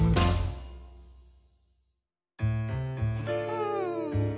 うん。